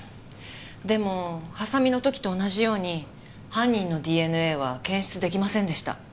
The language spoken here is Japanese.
でもハサミの時と同じように犯人のＤＮＡは検出できませんでした。